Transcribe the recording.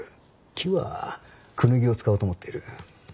木はクヌギを使おうと思っている。